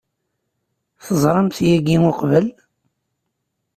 Teẓramt-tt yagi uqbel?